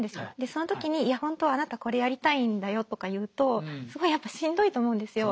その時に「いや本当はあなたこれやりたいんだよ」とか言うとすごいやっぱしんどいと思うんですよ。